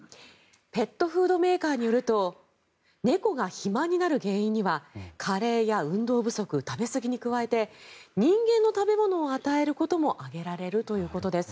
ペットフードメーカーによると猫が肥満になる原因には加齢や運動不足食べすぎに加えて人間の食べ物を与えることも挙げられるということです。